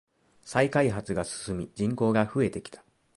再開発が進み人口が増えてきた。